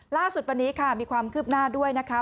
ล่าสุดวันนี้ค่ะมีความคืบหน้าด้วยนะคะ